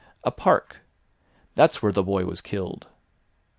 A park! That's where the boy was killed.